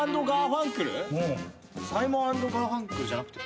サイモン＆ガーファンクルじゃなくて？